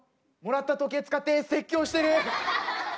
もらった時計使って説教してる。